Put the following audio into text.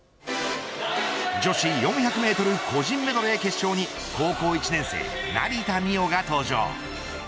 女子４００メートル個人メドレー決勝に高校１年生、成田実生が登場。